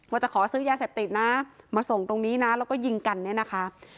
ว่าจะขอซื้อยาเสพติดนะมาส่งตรงนี้นะแล้วก็ยิงกันเนี่ยนะคะ